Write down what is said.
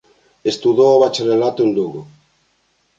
Estudou o bacharelato en Lugo.